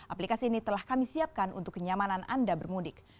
aplikasi ini telah kami siapkan untuk kenyamanan anda bermudik